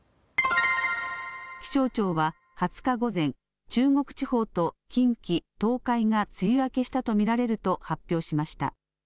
気象庁は２０日午前、中国地方と近畿、東海が梅雨明けしたと見られると発表しました。